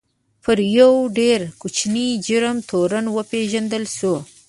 پر یوه ډېر کوچني جرم تورن وپېژندل شو.